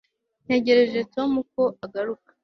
ntegereje ko tom agaruka